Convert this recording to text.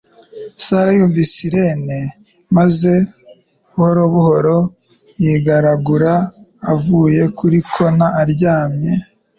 Sarah yumvise Irene maze buhoro buhoro yigaragura avuye kuri Connor aryamye